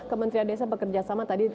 kementerian desa bekerja sama tadi